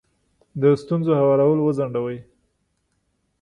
د ستونزو هوارول وځنډوئ.